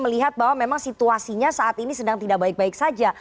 melihat bahwa memang situasinya saat ini sedang tidak baik baik saja